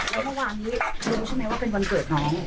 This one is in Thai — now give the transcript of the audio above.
แล้วเมื่อวานนี้รู้ใช่ไหมว่าเป็นวันเกิดน้อง